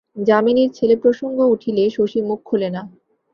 যামিনীর ছেলে প্রসঙ্গ উঠিলে শশী মুখ খোলে না।